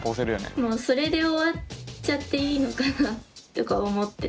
もうそれで終わっちゃっていいのかなとか思ってて私は。